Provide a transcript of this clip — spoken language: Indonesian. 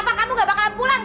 masa ini aku mau ke rumah